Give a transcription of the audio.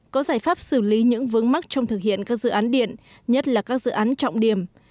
có giải pháp xử lý những vướng mắt trong thực hiện các dự án điện nhất là các dự án trọng điểm